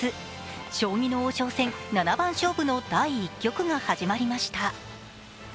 将棋の王将戦七番勝負の第１局が始まりました。